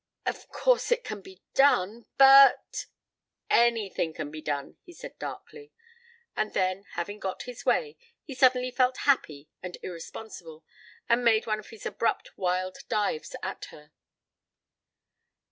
"Of course it can be done but " "Anything can be done," he said darkly. And then, having got his way, he suddenly felt happy and irresponsible, and made one of his abrupt wild dives at her.